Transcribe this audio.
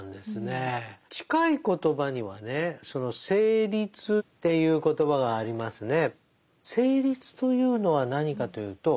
近い言葉にはね「成立」っていう言葉がありますね。